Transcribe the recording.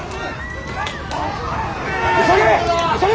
急げ！